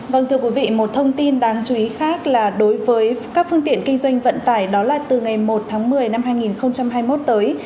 vâng thưa quý vị một thông tin đáng chú ý khác là đối với các phương tiện kinh doanh vận tải đó là từ ngày một tháng một mươi năm hai nghìn hai mươi một tới